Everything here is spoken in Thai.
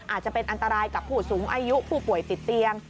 อาจจะเป็นอันตรายกับผู้สูงอายุผู้ป่วยติดเตียง